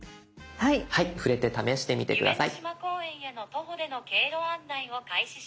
はい触れて試してみて下さい。